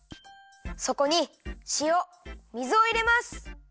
そこにしお水をいれます。